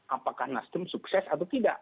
apakah nasdem sukses atau tidak